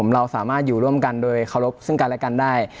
เราสามารถอยู่ร่วมกันโดยเคารพซึ่งกันและกันได้